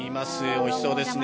おいしそうですね。